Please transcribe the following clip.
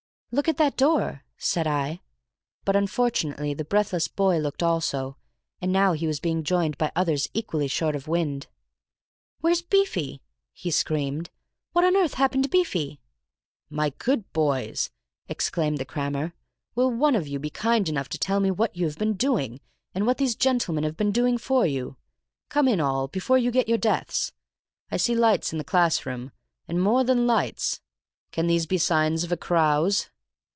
"Look at that door," said I. But unfortunately the breathless boy looked also, and now he was being joined by others equally short of wind. "Where's Beefy?" he screamed. "What on earth's happened to Beefy?" "My good boys," exclaimed the crammer, "will one of you be kind enough to tell me what you've been doing, and what these gentlemen have been doing for you? Come in all, before you get your death. I see lights in the class room, and more than lights. Can these be signs of a carouse?"